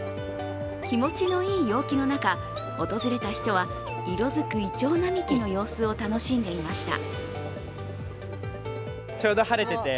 気持ちのいい陽気の中、訪れた人は色づくいちょう並木の様子を楽しんでいました。